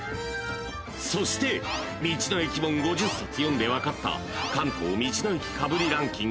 ［そして道の駅本５０冊読んで分かった関東道の駅かぶりランキング］